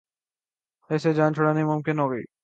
اس سے جان چھڑانی ممکن نہ ہوگی۔